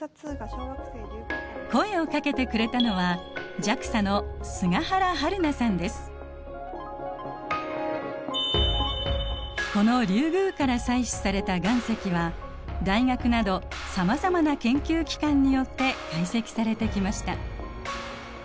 声をかけてくれたのはこのリュウグウから採取された岩石は大学などさまざまな研究機関によって解析されてきました。